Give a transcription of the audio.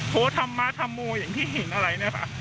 โทษทำมาทำโมยังที่เห็นอะไรเนี่ยค่ะ